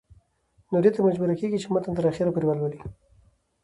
نو دې ته مجبوره کيږي چې متن تر اخره پورې لولي